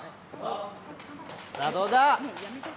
さあ、どうだ？